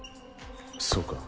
そうか。